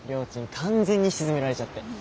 完全に沈められちゃって。